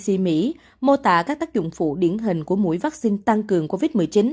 c mỹ mô tả các tác dụng phụ điển hình của mũi vaccine tăng cường covid một mươi chín